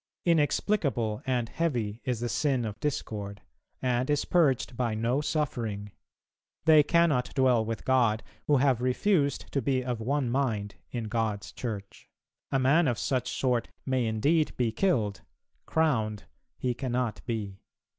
Inexplicable and heavy is the sin of discord, and is purged by no suffering ... They cannot dwell with God who have refused to be of one mind in God's Church; a man of such sort may indeed be killed, crowned he cannot be."